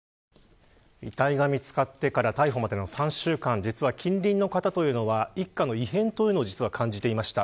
遺体が見つかってから逮捕までの３週間近隣の方は一家の異変というものを感じていました。